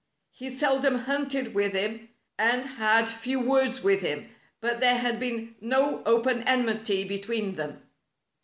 He seldom hunted with him, and ba>d few words with him, but there had been no open enmity between them.